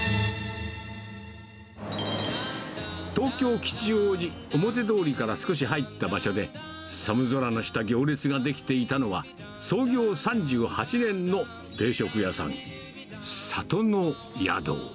東京・吉祥寺、表通りから少し入った場所で、寒空の下、行列が出来ていたのは、創業３８年の定食屋さん、里の宿。